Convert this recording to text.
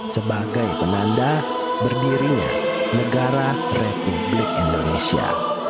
sebagai penanda berdirinya negara republik indonesia